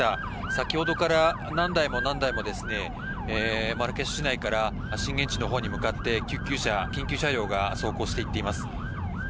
先ほどから何台も何台もマラケシュ市内から震源地のほうに向かって救急車緊急車両が走行していっています。